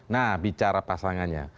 nah bicara pasangannya